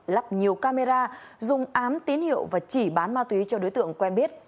lắp nhiều camera dùng ám tín hiệu và chỉ bán ma túy cho đối tượng quen biết